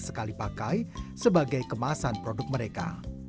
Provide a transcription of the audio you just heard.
sekali pakai sebagai kemasan produk mereka